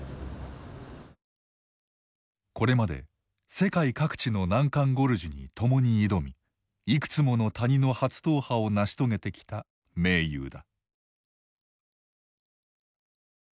これまで世界各地の難関ゴルジュに共に挑みいくつもの谷の初踏破を成し遂げてきた盟友だ。